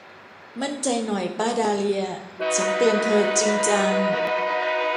มั่นใจหน่อยป้าดาห์เลีย ฉันเตือนเธอจริงจัง